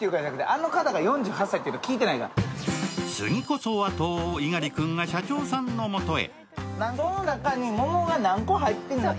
次こそはと猪狩君が社長さんのもとへ。